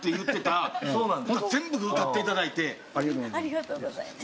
ありがとうございます。